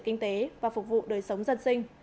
kinh tế và phục vụ đời sống dân sinh